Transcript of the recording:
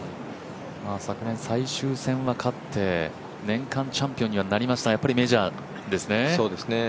昨年最終戦は勝って、年間チャンピオンにはなりましたがやっぱりメジャーですね。